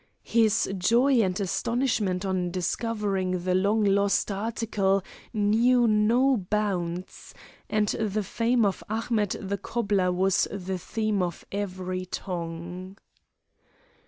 His joy and astonishment on discovering the long lost article knew no bounds, and the fame of Ahmet the cobbler was the theme of every tongue.